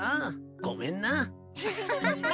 ごめんな。